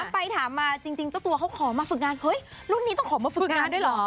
ไปถามมาจริงเจ้าตัวเขาขอมาฝึกงานเฮ้ยรุ่นนี้ต้องขอมาฝึกงานด้วยเหรอ